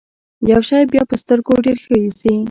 يو شی بيا په سترګو ډېر ښه اېسي.